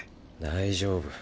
大丈夫。